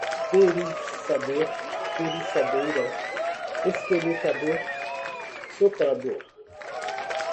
derriçador, derriçadeira, esqueletador, soprador